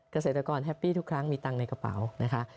เกษตรกรแฮปปี้ทุกครั้งมีตังค์ในกระเป๋านะคะ